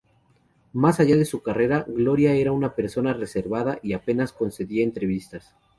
Más allá de su carrera, Gloria era una persona reservada y apenas concedía entrevistas.